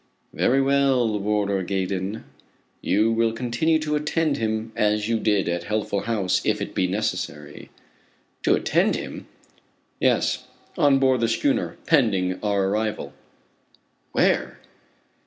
"Very well, Warder Gaydon, you will continue to attend him as you did at Healthful House, if it be necessary." "To attend to him!" "Yes on board the schooner pending our arrival." "Where?"